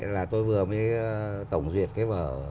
là tôi vừa mới tổng duyệt cái vở